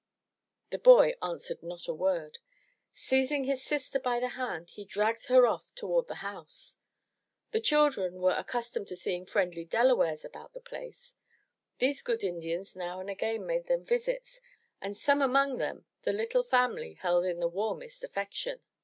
The boy answered not a word. Seizing his sister by the hand, he dragged her off toward the house. The children were accustomed to seeing friendly Delawares about the place. These good Indians now and again made them visits, and some among them the Lytle family held in the warmest affection.